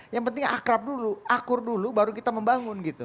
yang penting akrab dulu akur dulu baru kita membangun gitu